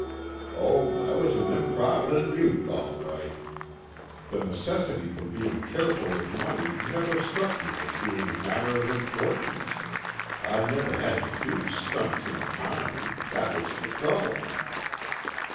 Oh, I was an improvident youth, all right. The necessity for being careful with money never struck me as being a matter of importance; I'd never had to do stunts in economy, that was the trouble.